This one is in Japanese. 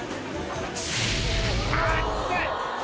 熱い！